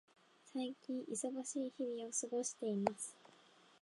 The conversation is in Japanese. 最近、忙しい日々を過ごしています。